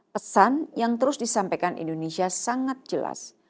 pesan yang terus disampaikan indonesia sangat jelas